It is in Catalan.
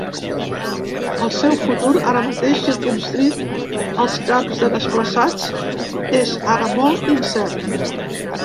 El seu futur, ara mateix circumscrit als camps de desplaçats, “és ara molt incert”.